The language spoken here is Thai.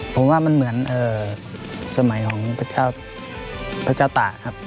ผมว่ามันเหมือนสมัยของพระเจ้าตากครับ